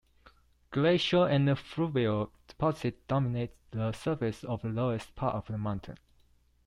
Glacial and fluvial deposits dominate the surface of the lowest part of the mountain.